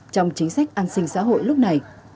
trong chính sách an sinh xã hội lúc này